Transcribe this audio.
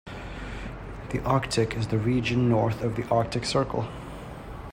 The Arctic is the region north of the Arctic Circle.